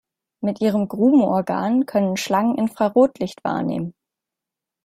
Mit ihrem Grubenorgan können Schlangen Infrarotlicht wahrnehmen.